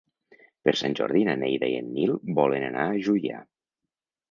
Per Sant Jordi na Neida i en Nil volen anar a Juià.